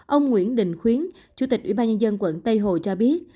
ông nguyễn đình khuyến chủ tịch ủy ban nhân dân quận tây hồ cho biết